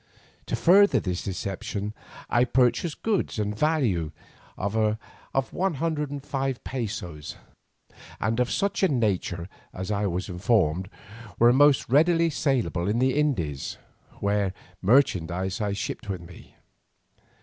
To further this deception I purchased goods the value of one hundred and five pesos, and of such nature as I was informed were most readily saleable in the Indies, which merchandise I shipped with me.